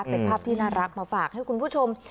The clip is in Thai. เป็นภาพที่น่ารักมาฝากให้คุณผู้ชม